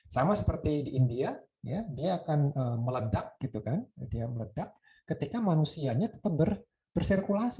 sama seperti di india dia akan meledak gitu kan dia meledak ketika manusianya tetap bersirkulasi